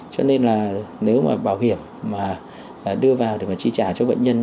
cho nên là nếu mà bảo hiểm mà đưa vào để mà chi trả cho bệnh nhân